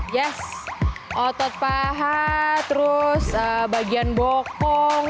yes otot paha terus bagian bokong